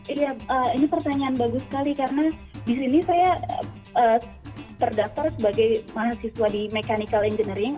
iya ini pertanyaan bagus sekali karena di sini saya terdaftar sebagai mahasiswa di mechanical engineering